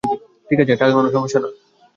ঠিক আছে, টাকা কোন সমস্যা না।